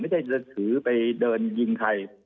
ไม่ใช่จะถือไปเดินยิงใคร